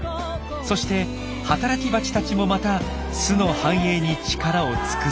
そして働きバチたちもまた巣の繁栄に力を尽くす。